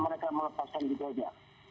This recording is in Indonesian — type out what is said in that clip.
mereka melepaskan di dunia